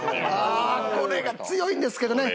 ああこれが強いんですけどね。